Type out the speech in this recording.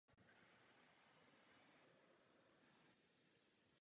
Odhodlání v tomto směru je zjevné.